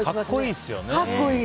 格好いいですよね。